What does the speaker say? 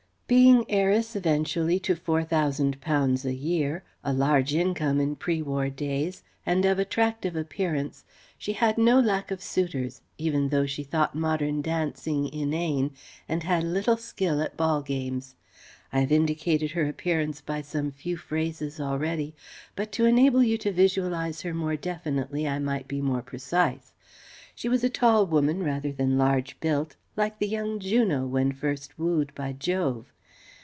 Being heiress eventually to £4,000 a year (a large income in pre war days) and of attractive appearance, she had no lack of suitors, even though she thought modern dancing inane, and had little skill at ball games. I have indicated her appearance by some few phrases already; but to enable you to visualize her more definitely I might be more precise. She was a tall woman rather than large built, like the young Juno when first wooed by Jove.